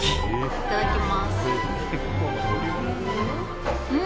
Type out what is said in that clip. いただきます。